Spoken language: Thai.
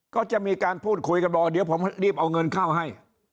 ก็จะมีการพูดคุยกันบอกเดี๋ยวผมรีบเอาเงินเข้าให้